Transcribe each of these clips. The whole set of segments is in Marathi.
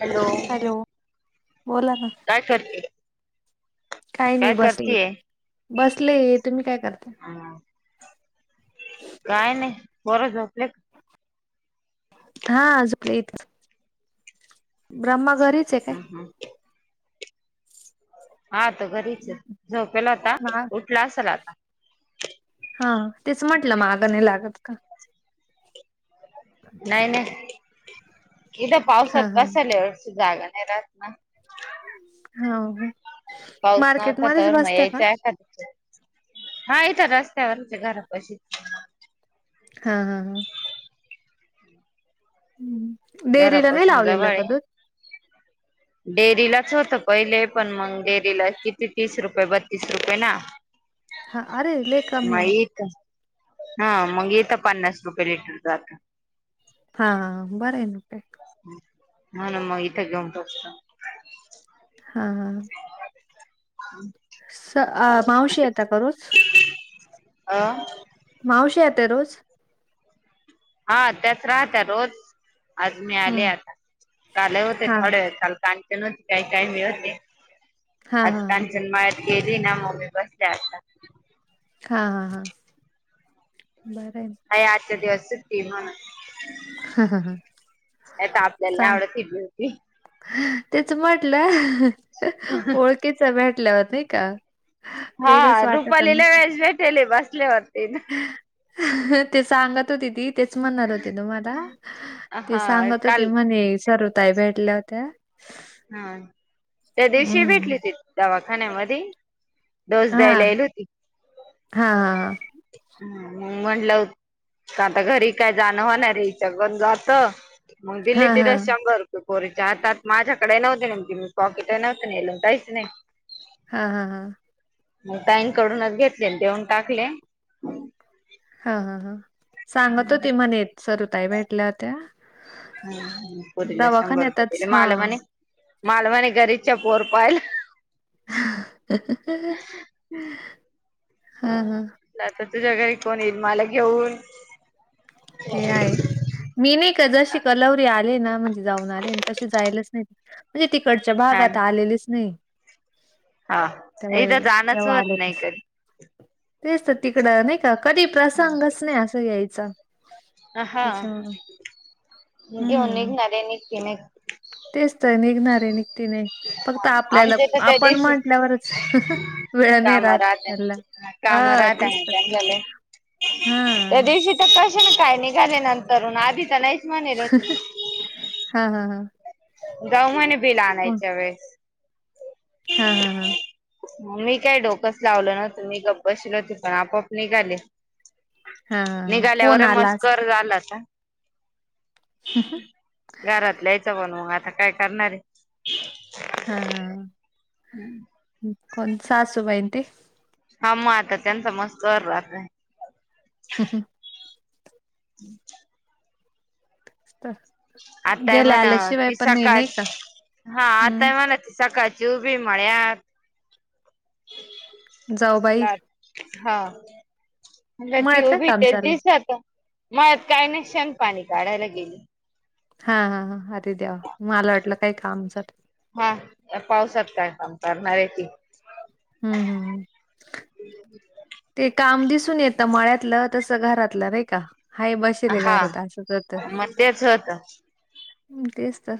हॅलो! बोला ना! काय करते? काही नाही काय बसले करतेय? बसले तुम्ही काय करता काय नाही पोर झोपले त हा आज [unintelligible] ब्रह्म हम् हम हा तर घरीच य झोपेल आता हा उठला असेल आता हा तेच म्हटलं माग नाही लागत का नाही नाही इथ हा पावसात हा कस ल जागा नाही रात ना हा [unintelligible] पाऊस मार्केट मध्येच बसत्या का [unintelligible] हा इथ रस्त्यावरच घरा पशी हा हा हा डेेरीला नाही घरापासून जवळ लावलेल का आहे. दूध डेअरीलाच होतं पहिले पण मग डेअरीला किती तीस रुपये बत्तीस रुपये ना हा अरे लइ कमी य मग हा मग येेत पन्नास रुपये लिटर जात हां हो बरं आहे न काय ह ना मग इथे घेऊन टाकत हा हा स मावशी येता का रोज [inaudible] अ मावशी येते रोज हा त्याच राहत्या रोज आज मी आले हम्म आता चालत हा थोड वेळ चालत [unintelligible] काही काय मिळत नाई हा आज हा हा कांचन माया - गेली ना मम्मी बस ते अता हा हा हा बरं आहे अय आजचा दिवस सुट्टी म्हणून [inaudible] हा हा हा नाहीता आपल्याला सांग नाही आवडत [unintelligible] तेच म्हटलं [unintelligible] ओळखीचा भेटल्यावर नाही का हा वेगळंच वाटतं ना. रुपालीला वेज भेटेले बसल्यावरती ते सांगत होते ती तेच म्हणणार होते तुम्हाला ते हा सांगत होते काल म्हणे सरुताई भेटल्या होत्या हा त्या दिवशी हं. भेटली तीत दवाखान्या मधी दोस दय हां. लयल ती हां, हां, ह मग म्हंलं हो का आता घरी काय जाणव नाही रेच्यागन जात मग दिले हां. हां, तिथ हां. शंभर रुपये कोरीच्या हातात माझ्या डे नव्हते नम पॉकट नव्हते लहीच नाही हां, हां, हां. मग ताईनकडूनच घेतले देऊन टाकले हा हा हा सांगत हो त म्हणेत सरुताई भेटल्या होत्या हप दिला शंभर रुपये दवाखान्यातच दिले मला हां. म्हणे मालवानी घरीच्या पोर पाहिलं - [unintelligible] हा हा. - आता तुझ्या घरी कोणी येईल मला घेऊन- ते आहे मी नाही का जशी कलवरी आले नां. - म्हणजे जाऊन आले तसे जायलाच नाही म्हणजे तिकडच्या भागात आलेलेच नाही - हा तेव्हा इथं येले जाणच तेव्हा होत नाही आलेतेस कधी - तेच तर तिकडं नाही का कधी प्रसंगच नाही असं यायचं. अह् घेवून हम्म निघणारे निघते - तेच तर निघणारे निघती नाही. - फक्त आपल्याला आमचे तर त्या आपण दिवशी म्हटल्यावरच वेळ नाही काम राहत राहते त्यांला. - काम हां राहते ना तेचतर. त्यांनले - [unintelligible] त्या दिवशी तर कसे ना काय निघाले नंतरून आधी तर नाही मान रा ती. - हा हा हा गहमने बिल फोन आणायच्या वेळेस. - हा हा हा मी काय डोकंच लावलं नव्हतं मी गप् बशील होते पण आपआप निघाले. हा हा [inaudible] हा फोन निघाल्यावर आला असेल. मस्कर राहास - [inaudible] घरातल्यायचं पण मग आता काय करणार आहे. - हाआ हाआ. - हम्म. - कोण सासूबाई ती. - हां मग आता त्यांचा मस्त चालू हाय. - स अहं. - अम्छ [unintelligible] स्तर. - आताय म्हणा ती सकाळ नाही का हा हम्म आताय म्हणा ती सकाळ. - जीव भी म् ह्यात. - जाऊ बाईअ. - हा म्ह ती काय उभी काम ते चाललंय? दिसत मळत काही नाही शेण पाणी - झाडायला गेली. - हा हा अरे देवा मला वाटलं काही कामच. - हा पावसात काय काम करणार आहे, की. - हम्म हम्म्. - ते काम दिसून येतं मळ्यातलं तसं घरातलं नाही का?. - हाय बसेल घरात हा असच तर. मग तेच - होत तेच तर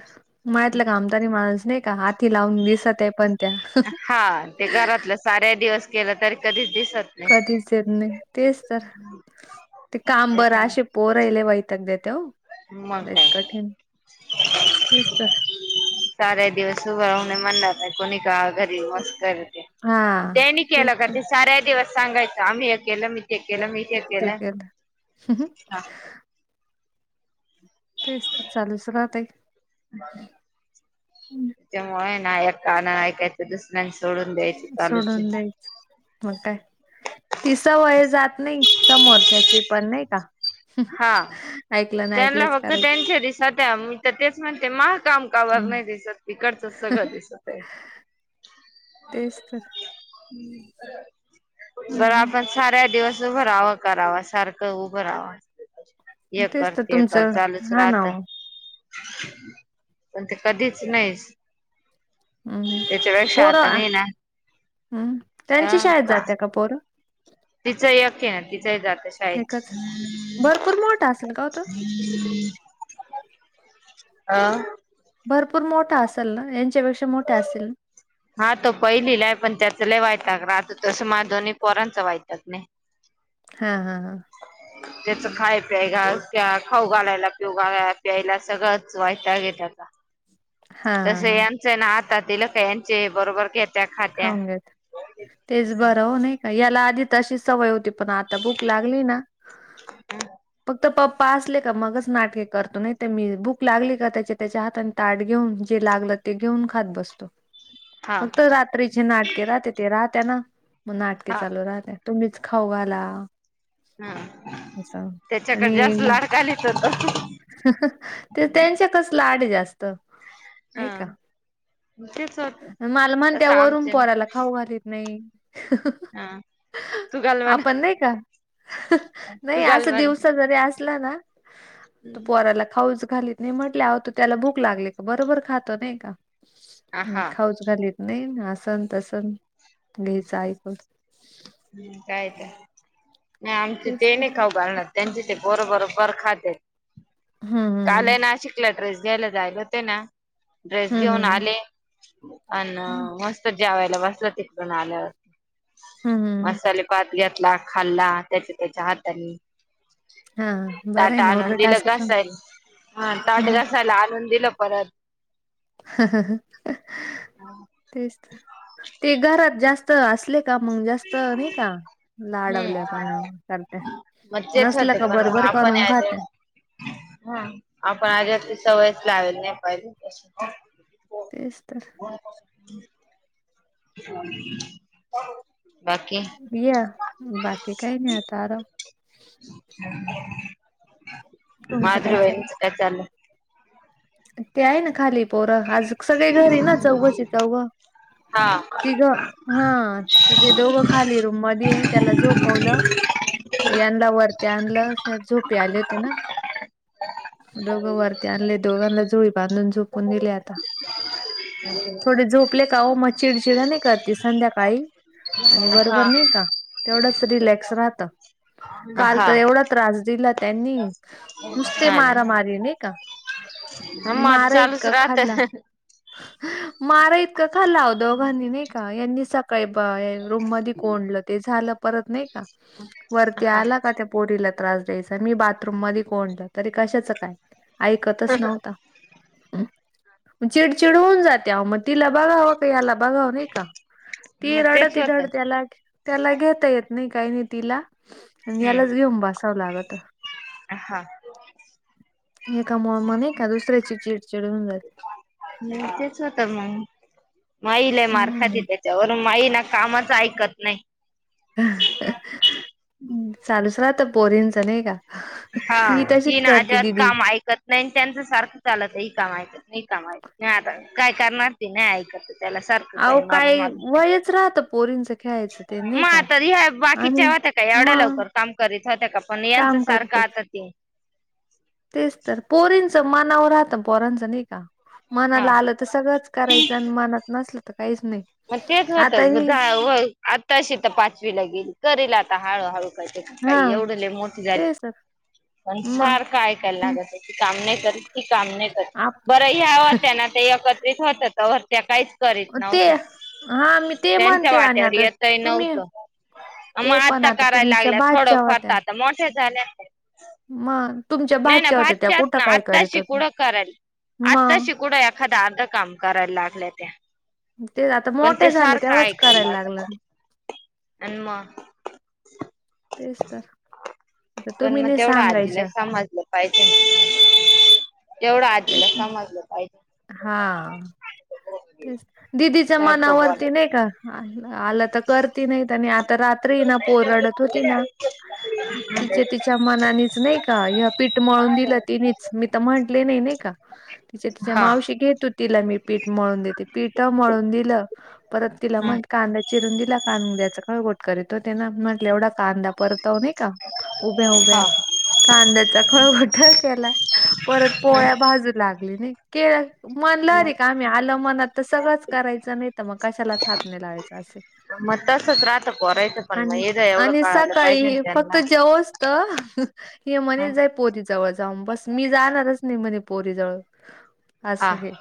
माहितलं का आमदारी माणस नाही का. हाती लावून दिसत आहे पण. - हां ते घरातलं साऱ्या दिवस केलं तरी कधीच. - कधीच येत नाही तेच तर ते काम बर असे त्याच्यामुळे बोरहिले वहि. - तो देत ओ तेच कठीणं. - [inaudible] चार दिवस उभ राहणे मनन. - कोणी का घरी मस् करते, हा त्यांनी तेच केलं का तर ते साऱ्या दिवस. - सांगायचं आम्ही हे केलं मी ते केलं मी ते केलं हं. - तेच तर चालूस राहते. - काय कानां ऐकायचं दुसऱ्यांनी सोडून द्यायच चालू.... ति सवय जात नाही समोरच्याची पण नाही का?.... हाआ........ ऐकलं - ना त्यांना ऐकलंच फक्त कराय त्यांच्या दिसत आहे, मी तर तेच म्हणते महा काम कावर नाही दिसत तीकडच... सगळं दिसत आहे.... तेच तर... बरं हम्म आपण साऱ्या दिवस... उभं राहावां करावा सारखं उभं राहावा.... हे तेच कर तर ते कर तुमचं चालूच हा ना राहत ओ पण ते कधीच नाहीच हम्म हम्म परवा मी ना हम्म त्यांची अ शाळेत का जाते क पोरं तिचं एक आहे ना जात शायद एकच भरपूर मोठा असेल का ओ तो आह भरपूर मोठा असेल ना यांच्यापेक्षा मोठ्या असेल हा तो पहिलीला आहे पण त्याच ल वयक राहत तसं माधो्ही पोरांचं वयतक नाही हा हा हा त्याच खाय प्याय खाऊ घालायला पिऊाला प्यायला सगळंच वा्हाता घेतात हा हा तस हा यांचं ना आता तिलक यांचे बरोबर क खाऊन घेत तेच बर हो नाही... याला आधी त अशी सवय होती पण आता भूक लागली ना... पप्पा असले का मगच नाटके करतो नाही तर मी बुक लागली का त्याचे त्याच्या हाता आणि ताट घेऊन जे... लागलं ते घेऊन खात बसतो.. हा. फक्त रात्रीचे नाटके राहते ते राहते ना मग नाटके हा. चालू राहते... तुम्हीच खाऊ घाला... हम असं त्याच्याकडे जास्त आणि लाडका लेक होत... ते त्यांच्या कसलं आड जास्त. हा नाही का तेच होत. मालम त्या तसं वरून आमचे पोराला खाऊ घालत नाही... हा तू घाल म्हण आपण नाही का तू नाही घाल अस म्हण. दिवसा जरी अस... ना तू पोराला खाऊच घाली.. म्हटल्यात त्याला भूक लागली का बरोबर खात नाही का ह हा खाऊच घाली.. नाही ना असन तसन घ्यायचं ऐक.. काय तर नाही आमच ते नाही खाऊ घालणार त्यांचे ते बरोबरोबर खातेत... हम्म काल आहे हम्म ना नाशिकला ड्रेस द्यायला जायला होते ना ड्रेस हम्म घेऊन हम्म. आले अ हम्म मस्त ज्यावायला बसलं ति.. प आल्यावर हम्म हम्म. मसालेभात घेत.. ला खाल्ला त्याच्या त्याच्या हातानी... हा बरं आहे ताटा ना उलट आनंदीला असच घसायल ताट हम्म. घसायला आनंद.. दिलं परत... तेच ते घरात जास्त असले.. का मग जास्त नाही हम्म लाडावल्या पण चालत मग तेच नसल होते का पण मग बरोबर आपण करून खाते.. हा आपण आधी असली सवयच लावेल नाही पाहिजे. तेच तर ह.. या बाकी काय नाहीतार... तुमचं माझ्या चाललं? धर चाल ते आहे ना खाली पोरं आज सगळी घरी ना चौघची चौघ... हा तिघं हा तर ते दोघं खाली रूम मध्ये आहे त्याला झोपवलं... यंदा वरत.. ते आणलं झोपे आले होते ना दोघं वर ते आणले.. दोघांना जुळी बांधून झोपून दिले आता. थोडे झोपले का हो मग चिडचिड नाही करते संध्याकाळी आणि बरोबर हा नाही का तेवढच रिलॅक्स राहत. काल तर हा एवढा त्रास दिला त्यांनी नुसते मारा मारी नाही का? आणि माझ मारा चालूच इतका राहते... खाल्ला मारा इतका खाल्ला होता आ दोघांधनीने का यांनी सकाळी पहा रूम म कोडलं ते झालं परत नाही का वरती हा आला का त्या पोरीला त्रास द्यायचा मी बाथरूम मध्ये कोणलं तरी कशाच काय... ऐकतच नव्हता चिडचिड होऊन जाते मग तिला बघावं का याला बघावं नाही का? ती मग तेच रडती होत. डते लाट त्याला घेता येत नाही काही नाही तिला आणि यालाच हम्म घेऊन बसावं लागत.. हा एका मोम ए का दुसऱ्याची चिडचिड होन जाते.. तेच होत मग मईल मारखातंय हम्म दि त्याच्यावरून माई ना कामाच ऐकत नाही. चालूस रा तर पोरीनच नाही का? हा ही की तशीच ना करते आजात दिदी. काम ऐकत नाही त्यांच सारखं चालत आहे ही काम ऐकत नाही का मा नाही आता काय करणार ती नाही ऐकत. त्या सारखं काही अहो काय मारून मारून का वयच राहतं पोरींचं खेळायचं ते नाही म का तर ह आणि बाकीच्या व का एवढ्या मग लवकर काम करीत होत का पण यांच काम सारखं करतच आता ते तेच तर पोरींच मनावर राहतं पोरांचं नाही का? हा मनाला आलं तर सगळंच करायचं आणि मनात नसल मग तेच होत आताशी तर पाचवी ला गेल करेल आता हळूहळू. हा काही एवढ मोठी झाली तेच तर पण मग सारखं ऐकायला लागाय काम नाही. ती काम नाही करत आप बरं ह्या होत्या ना ते एकत्रित होतर त्या काहीच करीत ते नव्हत्या हा मी ते त्यांच्या म्हणते आणि वाट्यावर आता येतय तुम्ही नव्हतं. मग ते पण आत्ता आता करायला तुमच्या लागल्या थोडं भाच्या होत्या. करता आता मोठे झाले. मग तुमच्या नाही ना भाच्या भात होत्या त्या जात कुठं ना काय करीत होत्या. आतलाशीिकुडं केल. आत्ता मग शिकडा एखादा अर्ध काम करायला लागल्या त्या ते आता पण मोठ्या ते झाल्या सारखं तेव्हाच करायला ऐका लागलं. आणि मग तेच तर आता पण तुम्ही मग नाही तेवढं आजीला सांगायच्या समजलं पाहिजे ना. तेवढं तेच आधीला तर समजलं पाहिजे. हा तेच दिदीच्या सारखं मनावरती नाही का? आलं तर करती नाहीत आणि आता रात्री ना पोरडत होती ना तिचे बोलायचं तिच्या मनानेच नाही का पीठ मळून दिलं तिनेच मी तर म्हटले नाही. का त तेचा हा मावशी घेत ति ेत पीठ म्हळून दिलं परत तिला हा म्हण कांदा चिरून दिला कां द्याच करे त्याना आप एवढा कांदा परताव नाही का उभ्या उभ्या हा कांद्याचा खळगठ परत हा. पोळ्या बाजू लागली के म्हण अरे का आलं मनात तर सगळंच करायचं नाही तर मग कशालाच हातने लावायचं असे. मग तसच राहतं पोरायचं पण आणि मग इथं एवढं आणि कळायला पाहिजे ना सकाळी फक्त त्यांना. जेव असत. हे हा म्हणे जा आहे पोरी जवळ जाऊन बस मी जाणारच नाही म्हणे पोरीजवळ असं हा हे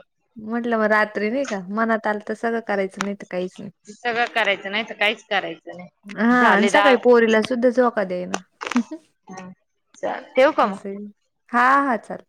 म्हटलं मग रात्री नाही का मनात आलं तर सगळं करायचं नाही तर काहीच नाही सगळं करायचं नाही तर काहीच करायचं नाही. हा आणि झाले दहा सकाळी पोरीला सुद्धा झोका दई ना हा चालेल ठेऊ का म? असं हा हा चाल